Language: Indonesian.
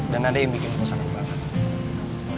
dan ada yang bikin aku sangat banget